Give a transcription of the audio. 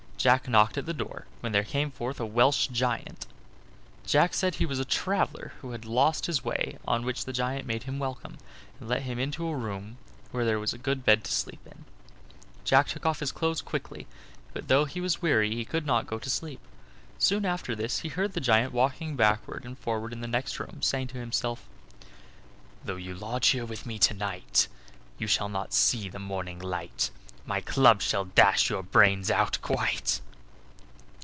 Jack knocked at the door, when there came forth a Welsh giant. Jack said he was a traveler who had lost his way, on which the giant made him welcome, and let him into a room where there was a good bed to sleep in. Jack took off his clothes quickly, but though he was weary he could not go to sleep. Soon after this he heard the giant walking backward and forward in the next room, and saying to himself: "Though here you lodge with me this night, You shall not see the morning light; My club shall dash your brains out quite."